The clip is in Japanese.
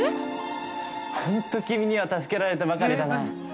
ほんと、君には助けられてばかりだな。